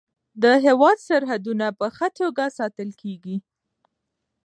د هیواد سرحدونه په ښه توګه ساتل کیږي.